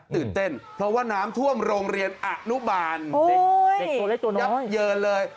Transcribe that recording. ตื่นเต้นเพราะว่าน้ำท่วมโรงเรียนอนุบาลโอ้ยเยอะเลย